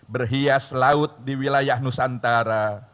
berhias laut di wilayah nusantara